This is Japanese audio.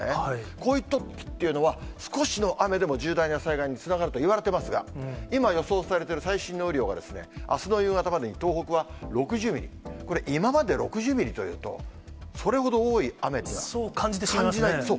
こういうときっていうのは、少しの雨でも重大な災害につながるといわれてますが、今予想されている最新の雨量は、あすの夕方までに東北は６０ミリ、これ、今まで６０ミリというと、そう感じてしまいますね。